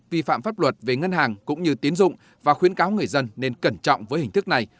vi phạm pháp luật về ngân hàng cũng như tiến dụng và khuyến cáo người dân nên cẩn trọng với hình thức này